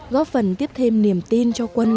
góp phần tiếp thêm niềm tin cho quân